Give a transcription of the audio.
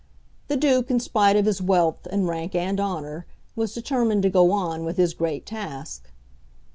The Duke, in spite of his wealth and rank and honour, was determined to go on with his great task.